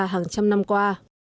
hàng trăm năm qua